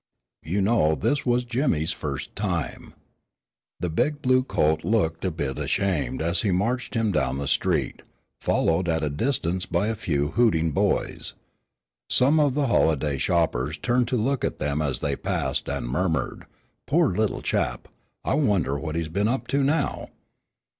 You know this was Jimmy's first time. The big blue coat looked a little bit ashamed as he marched him down the street, followed at a distance by a few hooting boys. Some of the holiday shoppers turned to look at them as they passed and murmured, "Poor little chap; I wonder what he's been up to now."